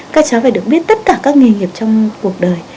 các cháu phải được biết tất cả các nghề nghiệp trong cuộc đời